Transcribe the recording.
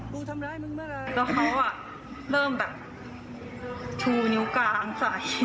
แล้วเขาอะเริ่มแบบชูนิ้วกลางสายอะไรอย่างนี้